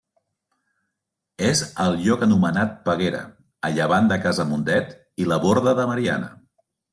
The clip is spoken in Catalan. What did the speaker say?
És al lloc anomenat Peguera, a llevant de Casa Mundet i la Borda de Mariana.